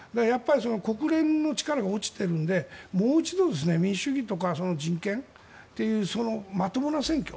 国連の力が落ちているのでもう一度民主主義とか人権というまともな選挙。